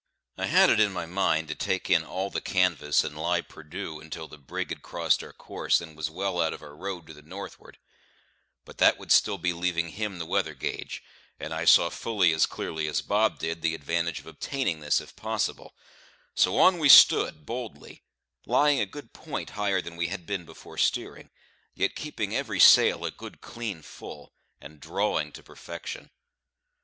I had it in my mind to take in all the canvas and lie perdu until the brig had crossed our course and was well out of our road to the northward; but that would still be leaving him the weather gauge; and I saw fully as clearly as Bob did the advantage of obtaining this, if possible; so on we stood, boldly, lying a good point higher than we had been before steering, yet keeping every sail a good clean full, and drawing to perfection.